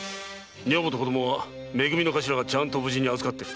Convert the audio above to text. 女房と子供はめ組の頭が無事に預かってる。